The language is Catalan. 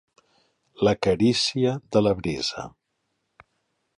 La carícia de la brisa.